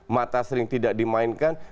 mata sering tidak dimainkan